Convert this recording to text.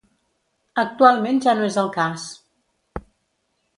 Actualment ja no és el cas.